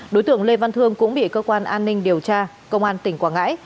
đối tượng lê văn thương cũng bị cơ quan an ninh điều tra công an tỉnh quảng ngãi